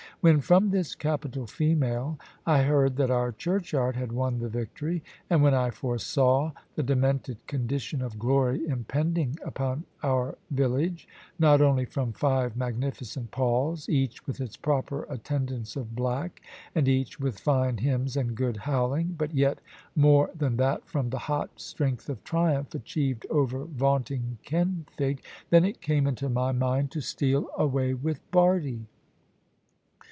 When from this capital female I heard that our churchyard had won the victory, and when I foresaw the demented condition of glory impending upon our village (not only from five magnificent palls, each with its proper attendance of black, and each with fine hymns and good howling, but yet more than that from the hot strength of triumph achieved over vaunting Kenfig), then it came into my mind to steal away with Bardie.